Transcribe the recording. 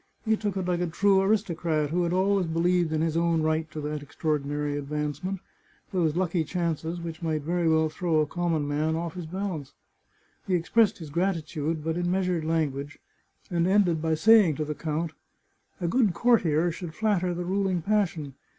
He took it like a true aristocrat, who had always believed in his own right to that extraordinary advancement, those lucky chances which might very well throw a com 193 The Chartreuse of Parma mon man off his balance. He expressed his gratitude, but in measured language, and ended by saying to the count :" A good courtier should flatter the ruling passion.